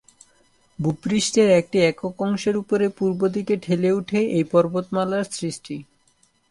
ভূ-পৃষ্ঠের একটি একক অংশ উপরে পূর্ব দিকে ঠেলে উঠে এই পর্বতমালার সৃষ্টি।